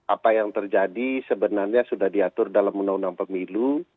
apa yang terjadi sebenarnya sudah diatur dalam undang undang pemilu